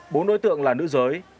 bốn đối tượng là nữ giới